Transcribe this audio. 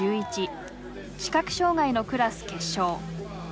視覚障害のクラス決勝。